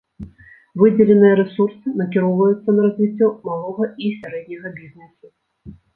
Выдзеленыя рэсурсы накіроўваюцца на развіццё малога і сярэдняга бізнэсу.